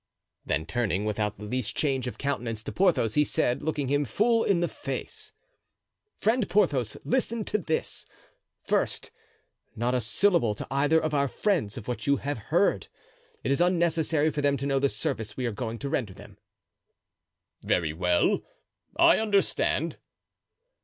Then turning, without the least change of countenance, to Porthos, he said, looking him full in the face: "Friend Porthos, listen to this; first, not a syllable to either of our friends of what you have heard; it is unnecessary for them to know the service we are going to render them." "Very well; I understand."